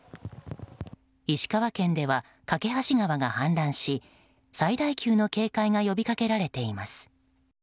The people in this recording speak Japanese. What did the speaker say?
石川県では梯川が氾濫し最大級の警戒が呼びかけられています。